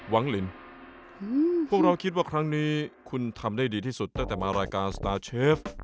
วังลินพวกเราคิดว่าครั้งนี้คุณทำได้ดีที่สุดตั้งแต่มารายการสตาร์เชฟ